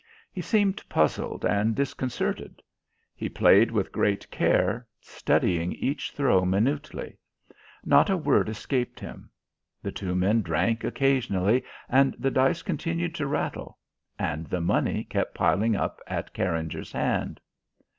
He seemed puzzled and disconcerted. He played with great care, studying each throw minutely. Not a word escaped him. The two men drank occasionally, and the dice continued to rattle. And the money kept piling up at Carringer's hand.